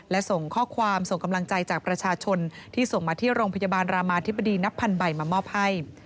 และส่งข้อความส่งกำลังใจจากประชาชนที่ส่งมาที่โรงพยาบาลรามาธิบดีนับพันใบมามอบให้